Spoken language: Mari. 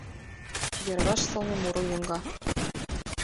Йырваш сылне муро йоҥга.